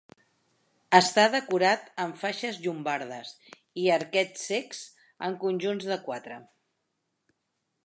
Està decorat amb faixes llombardes i arquets cecs amb conjunts de quatre.